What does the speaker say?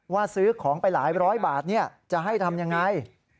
ซื้อของไปหลายร้อยบาทจะให้ทำยังไง